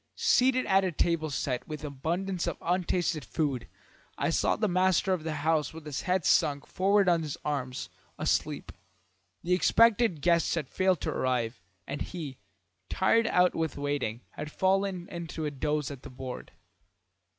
Seated at a table set with abundance of untasted food, I saw the master of the house with his head sunk forward on his arms, asleep. The expected guests had failed to arrive, and he, tired out with waiting, had fallen into a doze at the board.